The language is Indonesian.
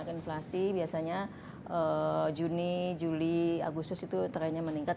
tingkat inflasi biasanya juni juli agustus itu trennya meningkat